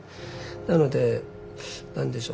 なので何でしょう